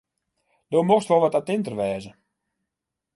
Do mochtst wol wat attinter wêze.